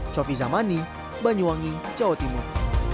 cofi zamani banyuwangi jawa timur